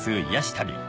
旅